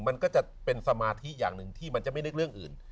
มันก็จะเป็นสมาธิอย่างหนึ่งที่มันจะไม่นึกเรื่องอื่น